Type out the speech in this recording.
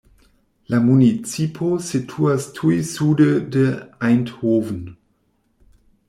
La municipo situas tuj sude de Eindhoven.